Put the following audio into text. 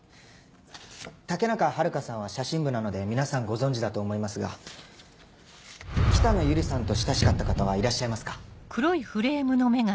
武中遥香さんは写真部なので皆さんご存じだと思いますが北野由里さんと親しかった方はいらっしゃいますか？